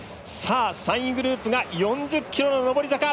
３位グループが４０ｋｍの上り坂！